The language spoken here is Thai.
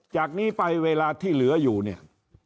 จากนี้ไปเวลาที่เหลืออยู่เนี่ย